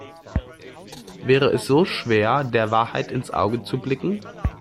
Wäre es so schwer, der Wahrheit ins Auge zu blicken?